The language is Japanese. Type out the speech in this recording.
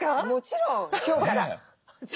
もちろん今日から。